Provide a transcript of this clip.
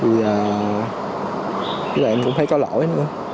bây giờ em cũng thấy có lỗi nữa